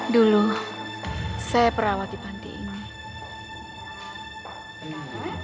dulu saya perawat di panti ini